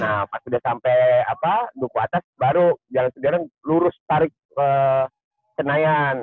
nah pas udah sampe duku atas baru jalan sudirman lurus tarik ke senayan